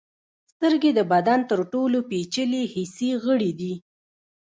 سترګې د بدن تر ټولو پیچلي حسي غړي دي.